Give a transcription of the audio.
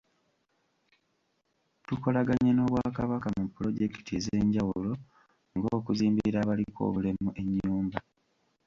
Tukolaganye n’Obwakabaka mu pulojekiti ez’enjawulo ng’okuzimbira abaliko obulemu ennyumba.